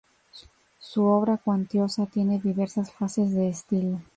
Su obra cuantiosa, tiene diversas fases de estilo.